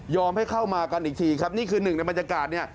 ให้เข้ามากันอีกทีครับนี่คือหนึ่งในบรรยากาศเนี่ย